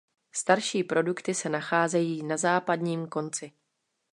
Starší produkty se nacházejí na západním konci.